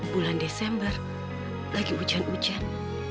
bulan desember lagi hujan hujan